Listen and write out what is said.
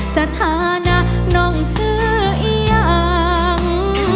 สถานะน้องคืออย่าง